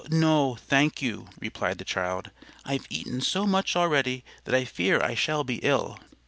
"No, thank you," replied the child; "I've eaten so much already that I fear I shall be ill."